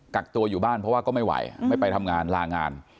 กักตัวอยู่บ้านเพราะว่าก็ไม่ไหวไม่ไปทำงานลางาน